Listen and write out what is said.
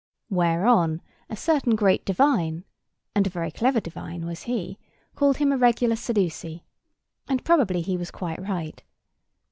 Whereon a certain great divine, and a very clever divine was he, called him a regular Sadducee; and probably he was quite right.